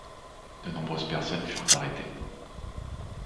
De nombreuses personnes furent arrêtées.